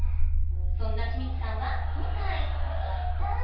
そんな清水さんは今回ダウン？